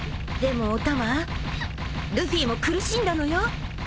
でもお玉ルフィも苦しんだのよ。